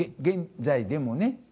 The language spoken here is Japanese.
現在でもね。